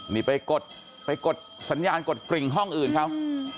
นี่ไปกดไปกดสัญญาณกดกริ่งห้องอื่นเขา